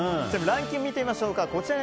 ランキングを見てみましょう。